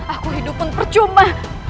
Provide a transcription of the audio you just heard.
aku hidup pun percuma